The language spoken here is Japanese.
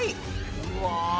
うわ！